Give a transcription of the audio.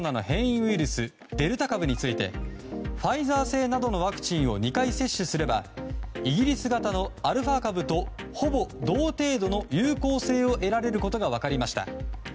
ウイルスデルタ株についてファイザー製などのワクチンを２回接種すればイギリス型のアルファ株とほぼ同程度の有効性を得られることが分かりました。